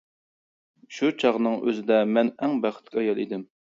شۇ چاغنىڭ ئۆزىدە مەن ئەڭ بەختلىك ئايال ئىدىم.